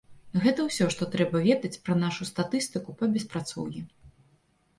Гэта ўсё, што трэба ведаць пра нашу статыстыку па беспрацоўі.